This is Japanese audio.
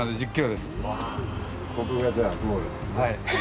はい。